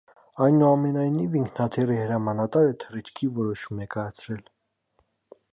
Այնուամենայնիվ ինքնաթիռի հրամանատարը թռիչքի որոշում է կայացրել։